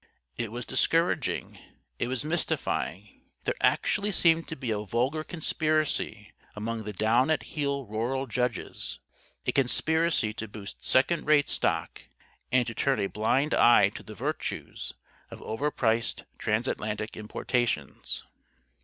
It was discouraging, it was mystifying. There actually seemed to be a vulgar conspiracy among the down at heel rural judges a conspiracy to boost second rate stock and to turn a blind eye to the virtues of overpriced transatlantic importations.